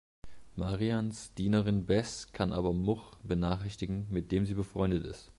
Marians Dienerin Bess kann aber Much benachrichtigen, mit dem sie befreundet ist.